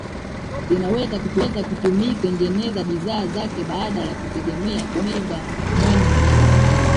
Inaweza kutumika kutengeneza bidhaa zake badala ya kutegemea kuuza mwani wenyewe